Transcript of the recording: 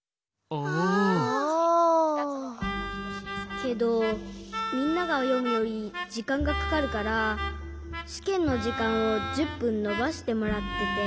けどみんながよむよりじかんがかかるからしけんのじかんを１０ぷんのばしてもらってて。